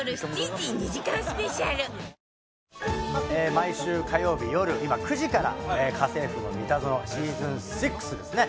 毎週火曜日よる９時から『家政夫のミタゾノ』シーズン６ですね。